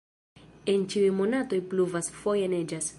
En ĉiuj monatoj pluvas, foje neĝas.